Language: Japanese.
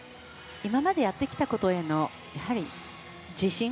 今までやってきたことへの自信。